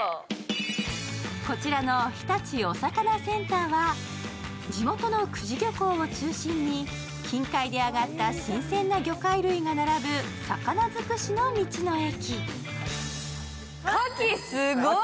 こちらの日立おさかなセンターは地元の久慈漁港を中心に近海で揚がった新鮮な魚介類が並ぶ魚尽くしの道の駅。